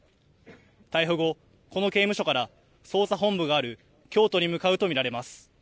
逮捕後、この刑務所から捜査本部がある京都に向かうと見られます。